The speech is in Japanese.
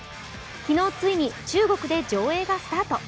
昨日ついに中国で上映がスタート。